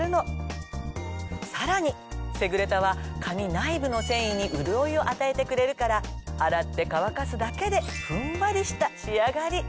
さらにセグレタは髪内部の繊維に潤いを与えてくれるから洗って乾かすだけでふんわりした仕上がり！